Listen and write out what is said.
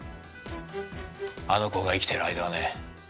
あの子が生きてる間はね。